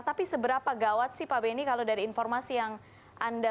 tapi seberapa gawat sih pak benny kalau dari informasi yang anda